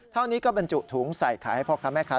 เท่านี้ก็บรรจุถุงใส่ขายให้พ่อค้าแม่ค้า